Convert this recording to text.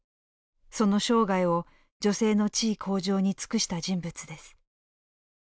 その生涯を女性の地位向上に尽くした人物です。